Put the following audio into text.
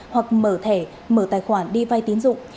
mở thẻ mở tài khoản đi vai tín dụng